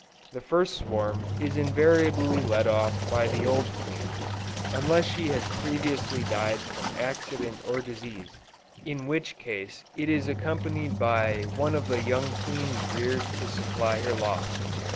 The first swarm is invariably led off by the old queen, unless she has previously died from accident or disease, in which case, it is accompanied by one of the young queens reared to supply her loss.